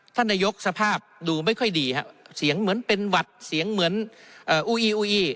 ท่านนายกสภาพดูไม่ค่อยดีครับเสียงเหมือนเป็นหวัดเสียงเหมือนอูอีอูอี